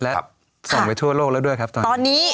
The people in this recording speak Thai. และส่งไปทั่วโลกแล้วด้วยครับตอนนี้